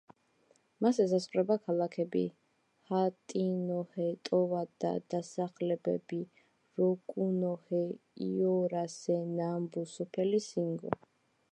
მას ესაზღვრება ქალაქები ჰატინოჰე, ტოვადა, დასახლებები როკუნოჰე, ოირასე, ნამბუ, სოფელი სინგო.